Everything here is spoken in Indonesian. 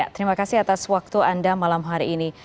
terima kasih atas waktu anda malam hari ini